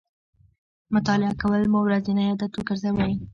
مطالعه کول مو ورځنی عادت وګرځوئ